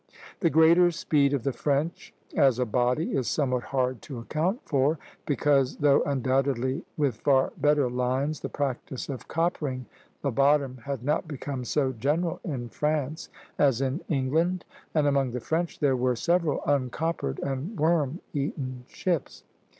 The greater speed of the French as a body is somewhat hard to account for, because, though undoubtedly with far better lines, the practice of coppering the bottom had not become so general in France as in England, and among the French there were several uncoppered and worm eaten ships.